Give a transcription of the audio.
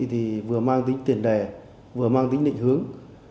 thì vừa mang tính tiền đề vừa mang tính định hướng